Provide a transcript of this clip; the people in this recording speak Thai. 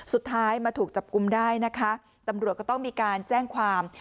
สุดท้ายมาถูกจับกุมได้นะคะตำรวจก็ต้องมีการแจ้งความ